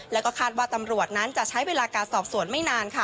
แล้วก็คาดว่าตำรวจนั้นจะใช้เวลาการสอบสวนไม่นานค่ะ